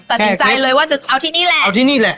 ตัดจริงใจเลยว่าจะเอาที่นี่แหละ